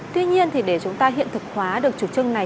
tuy nhiên thì để chúng ta hiện thực hóa được chủ trương này